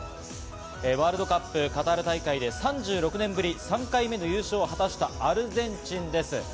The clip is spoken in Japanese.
ワールドカップカタール大会で３６年ぶり３回目の優勝を果たしたアルゼンチンです。